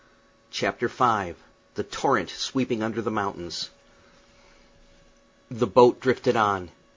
CHAPTER V THE TORRENT SWEEPING UNDER THE MOUNTAINS The boat drifted on.